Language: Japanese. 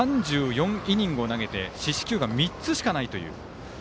３４イニングを投げて四死球が３つしかないという。